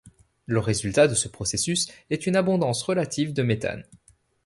Le résultat de ce processus est une abondance relative de méthane.